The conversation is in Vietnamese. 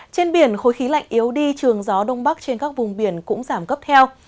trên biển khối khí lạnh yếu đi trường gió đông bắc trên các vùng biển cũng giảm cấp theo